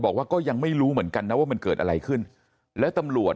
บอกว่าก็ยังไม่รู้เหมือนกันนะว่ามันเกิดอะไรขึ้นแล้วตำรวจ